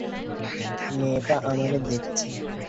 মেয়েটা আমাকে দেখছে।